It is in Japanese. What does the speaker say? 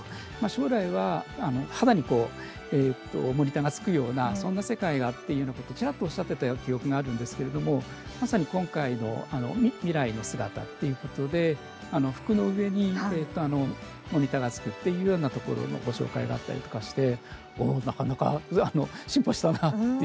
将来は肌にモニターがつくようなそんな世界がっていうようなことをちらっとおっしゃってた記憶があるんですけれどもまさに今回の未来の姿っていうことで服の上にモニターがつくっていうようなところのご紹介があったりとかして、おおなかなか進歩したなっていう。